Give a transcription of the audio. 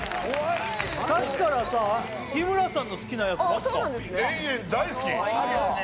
さっきからさ日村さんの好きなやつばっかあっそうなんですね